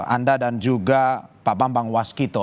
anda dan juga pak bambang waskito